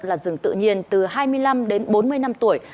là rừng tự nhiên từ hai mươi năm đến bốn mươi năm tuổi